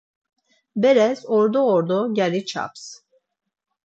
Beres ordo ordo gyari çaps.